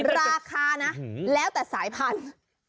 ราคานะแล้วแต่สายพันธุ์